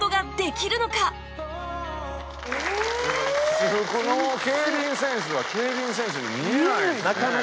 私服の競輪選手は競輪選手に見えないですね。